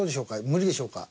無理でしょうか？